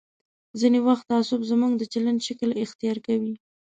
ځینې وخت تعصب زموږ د چلند شکل اختیار کوي.